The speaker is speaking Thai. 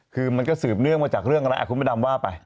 คือมันก็สืบเนื่องมาจากเรื่องอะไรคุณพระดำว่าไป